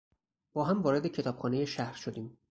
با هم وارد کتابخانهی شهر شدیم.